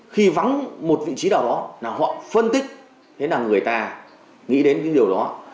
khi vắng một vị trí nào đó là họ phân tích thế nào người ta nghĩ đến những điều đó